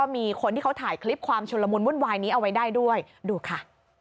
มีคนที่เขาถ่ายคลิปความชุนละมุนวุ่นวายนี้เอาไว้ได้ด้วยดูค่ะ